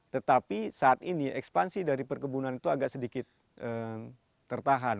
tetapi saat ini ekspansi dari perkebunan itu agak sedikit tertahan